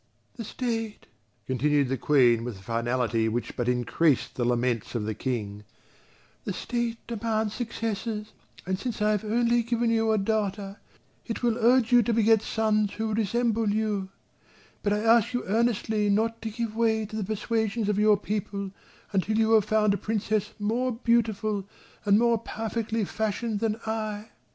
"The State," continued the Queen with a finality which but increased the laments of the King, "the State demands successors, and since I have only given you a daughter, it will urge you to beget sons who resemble you; but I ask you earnestly not to give way to the persuasions of your people until you have found a Princess more beautiful and more perfectly fashioned than I.